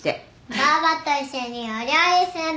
ばあばと一緒にお料理するの！